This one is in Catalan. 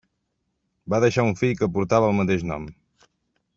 Va deixar un fill que portava el mateix nom.